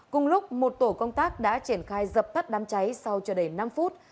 cùng lúc một tổ công tác đã triển khai dập thắt đám cháy sau cho đầy năm phút